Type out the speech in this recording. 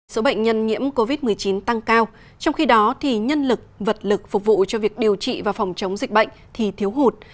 số bệnh nhân nhiễm covid một mươi chín tăng cao trong khi đó thì nhân lực vật lực phục vụ cho việc điều trị và phòng chống dịch bệnh thì thiếu hụt